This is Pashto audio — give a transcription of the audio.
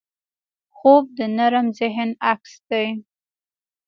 خوب د نرم ذهن عکس دی